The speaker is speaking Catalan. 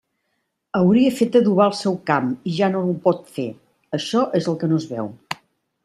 Hauria fet adobar el seu camp i ja no ho pot fer, això és el que no es veu.